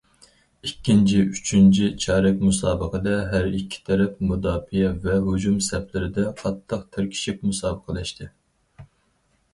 ئىككىنچى، ئۈچىنچى چارەك مۇسابىقىدە ھەر ئىككى تەرەپ مۇداپىئە ۋە ھۇجۇم سەپلىرىدە قاتتىق تىركىشىپ مۇسابىقىلەشتى.